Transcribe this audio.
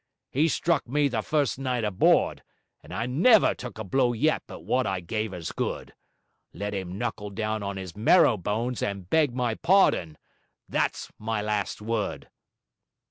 He struck me the first night aboard, and I never took a blow yet but wot I gave as good. Let him knuckle down on his marrow bones and beg my pardon. That's my last word.'